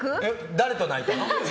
誰と泣いたの？